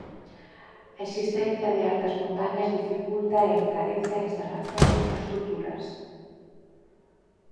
A existencia de altas montañas dificulta e encarece a instalación de infraestruturas.